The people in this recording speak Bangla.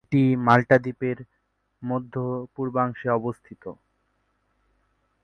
এটি মাল্টা দ্বীপের মধ্য-পূর্বাংশে অবস্থিত।